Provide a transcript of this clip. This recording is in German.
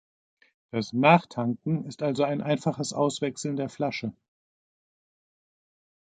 Das „Nachtanken“ ist also ein einfaches Auswechseln der Flasche.